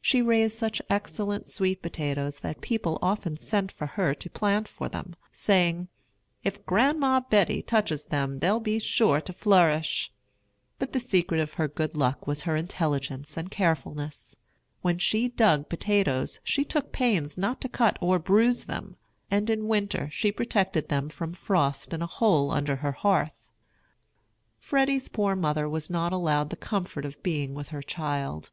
She raised such excellent sweet potatoes that people often sent for her to plant for them, saying, "If Gran'ma Betty touches them they'll be sure to flourish." But the secret of her good luck was her intelligence and carefulness. When she dug potatoes she took pains not to cut or bruise them; and in winter she protected them from frost in a hole under her hearth. Freddy's poor mother was not allowed the comfort of being with her child.